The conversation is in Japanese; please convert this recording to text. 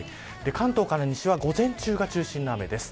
関東から西は午前中が中心の雨です。